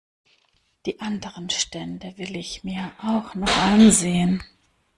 Die anderen Stände will ich mir auch noch ansehen.